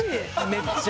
めっちゃ。